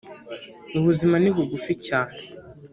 ubuzima ni bugufi cyane